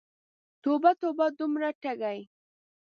توبه، توبه، دومره ټګې!